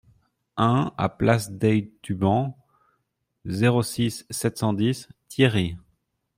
un A place Dei Tubans, zéro six, sept cent dix, Thiéry